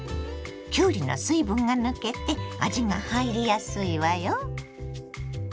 きゅうりの水分が抜けて味が入りやすいわよ。